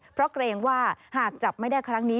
เพราะเกรงว่าหากจับไม่ได้ครั้งนี้